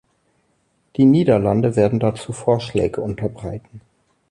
Die Niederlande werden dazu Vorschläge unterbreiten.